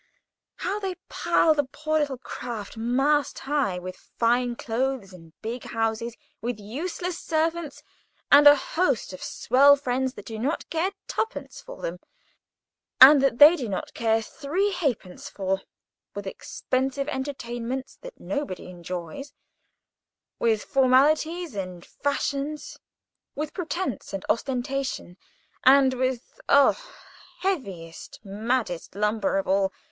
How they pile the poor little craft mast high with fine clothes and big houses; with useless servants, and a host of swell friends that do not care twopence for them, and that they do not care three ha'pence for; with expensive entertainments that nobody enjoys, with formalities and fashions, with pretence and ostentation, and with—oh, heaviest, maddest lumber of all!